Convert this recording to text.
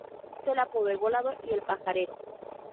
Se le apodó el Volador y el Pajarero.